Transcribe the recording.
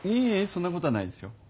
そんなことはないですよ。